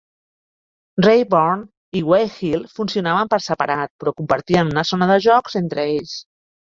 Raeburn i Weyhill funcionaven per separat, però compartien una zona de jocs entre ells.